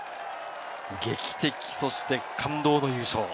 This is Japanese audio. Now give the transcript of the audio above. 劇的、そして感動の優勝。